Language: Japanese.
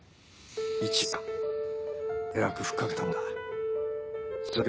１億かえらく吹っかけたもんだ。